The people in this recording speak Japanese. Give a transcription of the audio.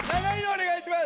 お願いします